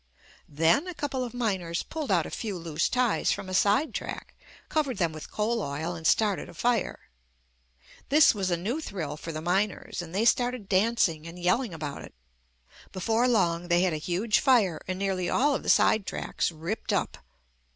Then a couple of miners pulled out a few loose ties from a side track, covered them with coal oil, and started a fire. This was a new thrill for the miners, and they started dancing and yell ing about it. Before long they had a huge fire and nearly all of the side tracks ripped up.